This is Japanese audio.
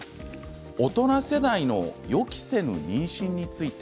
大人世代の予期せぬ妊娠について。